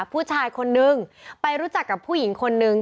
ผู้ชายคนนึงไปรู้จักกับผู้หญิงคนนึง